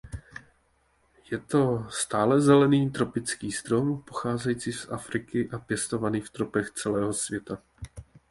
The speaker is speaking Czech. Je to stálezelený tropický strom pocházející z Afriky a pěstovaný v tropech celého světa.